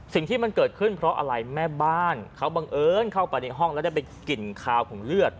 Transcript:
สิ่งที่มันเกิดขึ้นเพราะอะไรแม่บ้านเขาบังเอิญเข้าไปในห้องแล้วได้ไปกลิ่นคาวของเลือด